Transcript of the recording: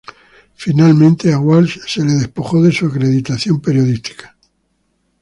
Finalmente a Walsh se le despojó de su acreditación periodística.